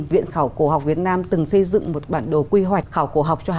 viện khảo cổ học việt nam từng xây dựng một bản đồ quy hoạch khảo cổ học cho hà nội